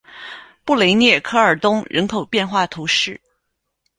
布雷涅科尔东人口变化图示